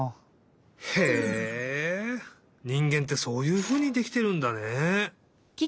へえにんげんってそういうふうにできてるんだね。